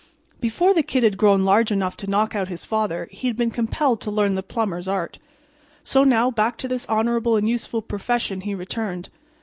Before the Kid had grown large enough to knock out his father he had been compelled to learn the plumber's art. So now back to this honorable and useful profession he returned.